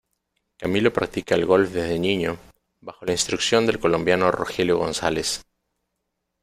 Camilo practica el golf desde niño, bajo la instrucción del colombiano Rogelio González.